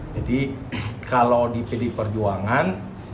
jadi kalau di pdi perjuangan